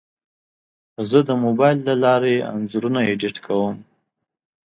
زه د موبایل له لارې انځورونه ایډیټ کوم.